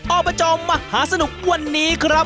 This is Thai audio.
อบจมหาสนุกวันนี้ครับ